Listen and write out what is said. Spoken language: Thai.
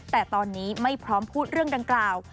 แต่ตอนนี้ไม่พร้อมพูดเรื่องดังกล่าว